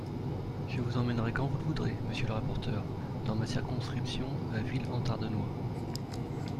Je vous emmènerai quand vous le voudrez, monsieur le rapporteur, dans ma circonscription à Ville-en-Tardenois.